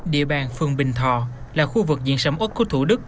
địa bàn phường bình thò là khu vực diện sống ốt của thủ đức